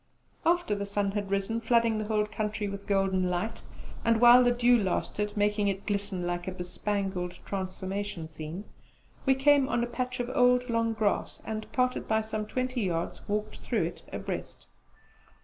After the sun had risen, flooding the whole country with golden light, and, while the dew lasted, making it glisten like a bespangled transformation scene, we came on a patch of old long grass and, parted by some twenty yards, walked through it abreast.